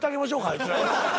あいつらに。